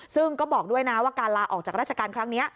ซึ่งก็บอกด้วยนะว่าการลาออกจากราชการครั้งนี้